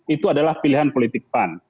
itu adalah pilihan politik pan